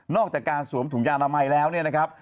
อกจากการสวมถุงยางอนามัยแล้วเนี่ยนะครับ